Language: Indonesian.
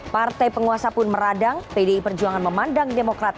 partai penguasa pun meradang pdi perjuangan memandang demokrat